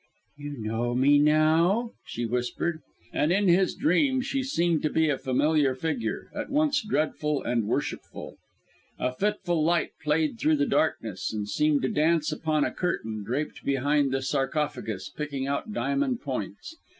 "You know me, now?" she whispered. And in his dream she seemed to be a familiar figure, at once dreadful and worshipful. A fitful light played through the darkness, and seemed to dance upon a curtain draped behind the sarcophagus, picking out diamond points.